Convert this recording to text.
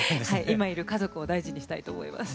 今いる家族を大事にしたいと思います。